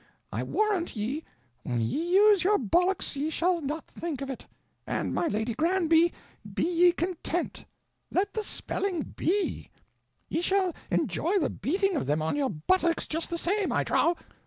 I warrant Ye when ye use your bollocks ye shall not think of it; and my Lady Granby, be ye content; let the spelling be, ye shall enjoy the beating of them on your buttocks just the same, I trow.